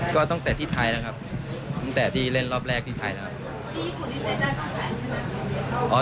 ก็ตั้งแต่ที่ไทยนะครับตั้งแต่ที่เล่นรอบแรกที่ไทยแล้วครับ